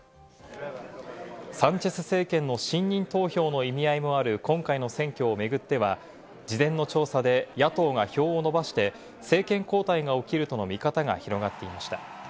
サンチェス政権の信任投票の意味合いもある今回の選挙を巡っては事前の調査で、野党が票を伸ばして政権交代が起きるとの見方が広がっていました。